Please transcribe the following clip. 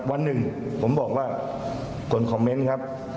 วันหนึ่งผมบอกว่าคนคอมเมนต์ครับ